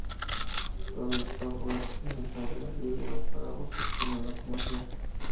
Todo el software necesario es libre o para uso no comercial.